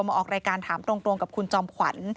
มาออกรายการถามตรงกับคุณจอมขวัญ